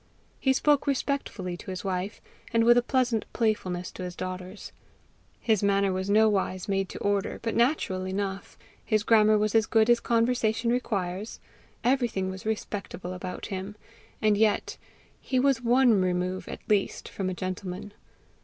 He spoke respectfully to his wife, and with a pleasant playfulness to his daughters; his manner was nowise made to order, but natural enough; his grammar was as good as conversation requires; everything was respectable about him and yet he was one remove at least from a gentleman.